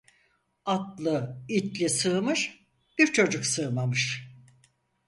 Atlı, itli sığmış, bir çocuk sığmamış.